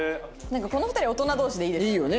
この２人大人同士でいいですね。